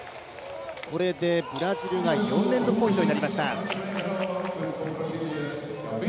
これでブラジルが４連続ポイントになりました。